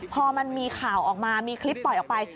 พอมันมีข่าวออกมามีคลิปปล่อยออกไป